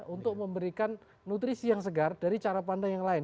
untuk memberikan nutrisi yang segar dari cara pandang yang lain